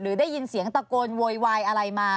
ได้ยินเสียงตะโกนโวยวายอะไรมา